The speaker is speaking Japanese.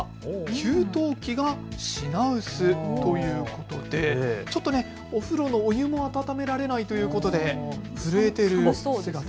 給湯器が品薄ということで、お風呂のお湯も温められないということで震えてる姿が。